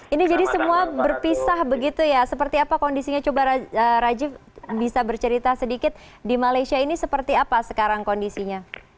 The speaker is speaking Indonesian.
ini jadi semua berpisah begitu ya seperti apa kondisinya coba rajiv bisa bercerita sedikit di malaysia ini seperti apa sekarang kondisinya